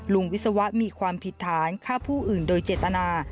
วิศวะมีความผิดฐานฆ่าผู้อื่นโดยเจตนา